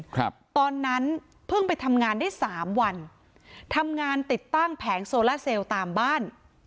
ครับตอนนั้นเพิ่งไปทำงานได้สามวันทำงานติดตั้งแผงโซล่าเซลตามบ้าน